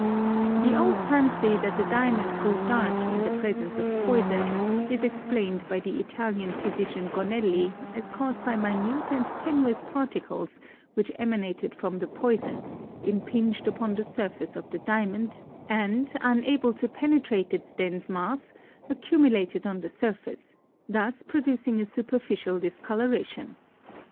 The old fancy that the diamond grew dark in the presence of poison is explained by the Italian physician Gonelli as caused by minute and tenuous particles which emanated from the poison, impinged upon the surface of the diamond, and, unable to penetrate its dense mass, accumulated on the surface, thus producing a superficial discoloration.